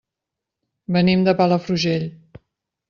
Venim de Palafrugell.